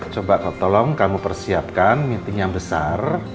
coba tolong kamu persiapkan meeting yang besar